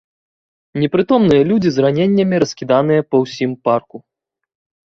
Непрытомныя людзі з раненнямі раскіданыя па ўсім парку.